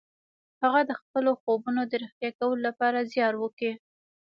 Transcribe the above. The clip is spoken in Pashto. هغه د خپلو خوبونو د رښتيا کولو لپاره زيار وکيښ.